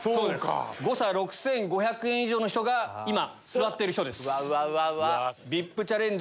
誤差６５００円以上の人が今座ってる人です。